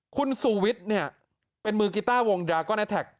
คุณสุวิทย์เนี่ยเป็นมือกิตาร์วงดรากอนแอทไทกส์